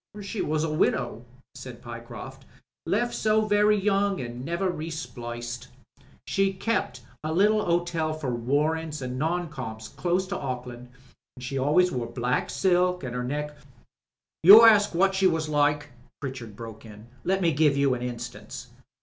^ "She was a widow," said Pyecroft. "Left so very young and never re spliced. She kep' a little hotel for warrants and non coms close to Auckland, an' she always wore black silk, and 'er neck " "You ask what she was like," Pritchard broke in. "Let me give you an instance.